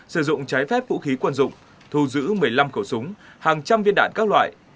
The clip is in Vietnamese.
sử dụng trái phép vũ khí quân dụng thu giữ một mươi năm khẩu súng hàng trăm viên đạn các loại